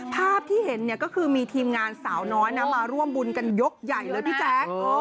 ภาพที่เห็นเนี่ยก็คือมีทีมงานสาวน้อยนะมาร่วมบุญกันยกใหญ่เลยพี่แจ๊ค